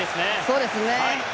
そうですね。